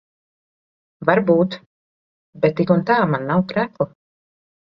Varbūt. Bet tik un tā man nav krekla.